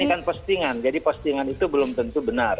ini kan postingan jadi postingan itu belum tentu benar